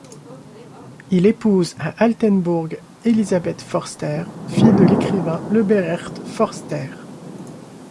Il épouse à Altenburg Elisabeth Förster, fille de l'écrivain Leberecht Förster.